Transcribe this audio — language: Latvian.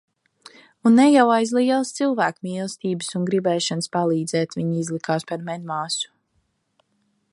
Un ne jau aiz lielas cilvēkmīlestības un gribēšanas palīdzēt viņa izlikās par medmāsu.